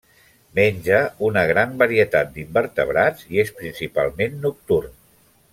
Menja una gran varietat d'invertebrats i és principalment nocturn.